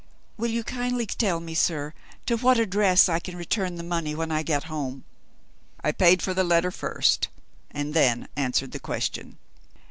"Will you kindly tell me, sir, to what address I can return the money when I get home?" I paid for the letter first, and then answered the question.